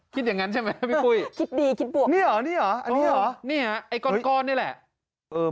คิดอย่างงั้นใช่ไหมแล้วพี่ปุ้ย